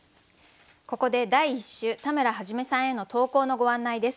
ここで第１週田村元さんへの投稿のご案内です。